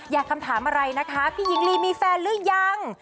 คำถามอะไรนะคะพี่หญิงลีมีแฟนหรือยัง